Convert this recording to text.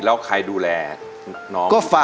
แล้วใครดูแลน้อง